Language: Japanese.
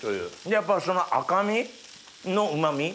やっぱりその赤身の旨味。